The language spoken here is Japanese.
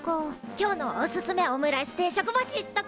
今日のおすすめオムライス定食星とかどうだ？